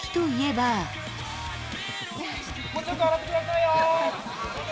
もうちょっと笑ってくださいよ。